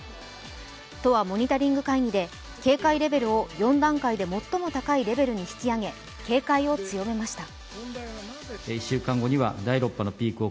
都はモニタリング会議では警戒レベルを４段階で最も高いレベルに引き上げ警戒を強めました。